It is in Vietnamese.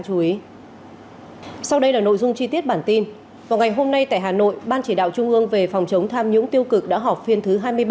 vào ngày hôm nay tại hà nội ban chỉ đạo trung ương về phòng chống tham nhũng tiêu cực đã họp phiên thứ hai mươi ba